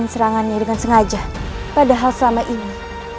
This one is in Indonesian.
jurus tapak mau